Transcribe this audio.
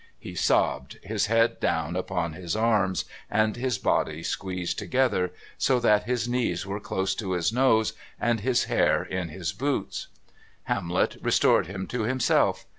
He sobbed, his head down upon his arms, and his body squeezed together so that his knees were close to his nose and his hair in his boots. Hamlet restored him to himself.